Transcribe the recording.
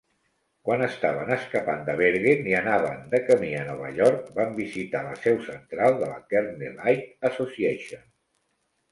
Quan estaven escapant de Bergen i anaven de camí a Nova York, van visitar la seu central de la Kernelight Association.